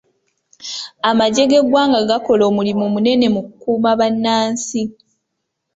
Amaggye g'eggwanga gakola omulimu munene mu kukuuma bannansi.